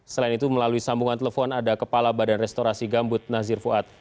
selain itu melalui sambungan telepon ada kepala badan restorasi gambut nazir fuad